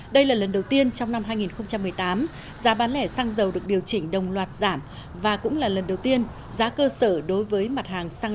đây là lần đầu tiên trong năm hai nghìn một mươi tám giá bán lẻ xăng dầu được điều chỉnh đồng loạt giảm và cũng là lần đầu tiên giá cơ sở đối với mặt hàng xăng